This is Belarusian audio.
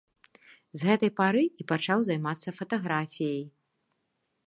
З гэтай пары і пачаў займацца фатаграфіяй.